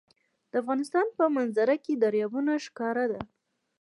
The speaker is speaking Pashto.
د افغانستان په منظره کې دریابونه ښکاره ده.